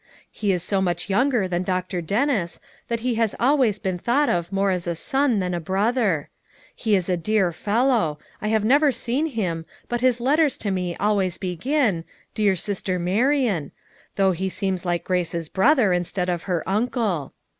He is so much younger than Dr. Dennis that he has always been thought of more as a son than a brother. He is a dear fellow ; I have never seen him, but his letters to me always begin, 'Dear sister Marian/ though he seems like Grace's brother, instead of her uncle.